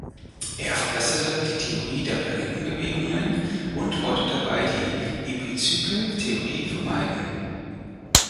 Er verbesserte die Theorie der Planetenbewegungen und wollte dabei die Epizykeltheorie vermeiden.